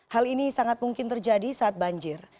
hal ini sangat mungkin terjadi saat banjir